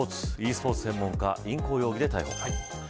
ｅスポーツ専門家淫行容疑で逮捕。